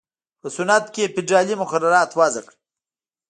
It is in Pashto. په صنعت کې یې فېدرالي مقررات وضع کړل.